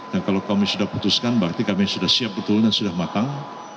dan kalau kami sudah putuskan berarti kami sudah siap betul dan sudah matang